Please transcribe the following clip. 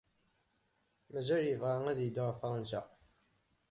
Mazal yebɣa ad yeddu ɣef Fṛansa?